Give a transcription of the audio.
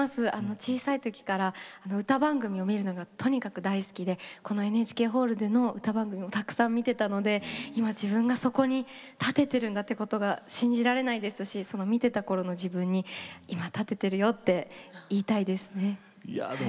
小さいころから歌番組を見るのがとにかく大好きでこのＮＨＫホールでの歌番組もたくさん見ていたので今、自分がここに立てているということが信じられないですし見ていたころの自分にお二人の共演